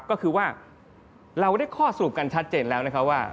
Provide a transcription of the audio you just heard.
ก็คือว่าเราได้ข้อสรุปกันชัดเจนแล้วนะคะว่า